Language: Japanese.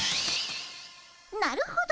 なるほど！